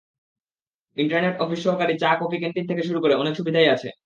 Internet, office সহকারী, চা-কফি, canteen থেকে শুরু করে অনেক সুবিধাই আছে।